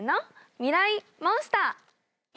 ミライ☆モンスター。